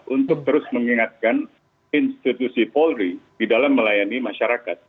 untuk terus mengingatkan institusi polri di dalam melayani masyarakat